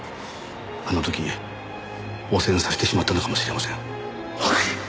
あの時汚染させてしまったのかもしれません。